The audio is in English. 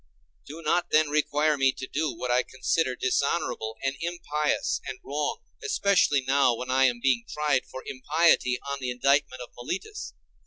Do not then require me to do what I consider dishonorable and impious and wrong, especially now, when I am being tried for impiety on the indictment of Meletus.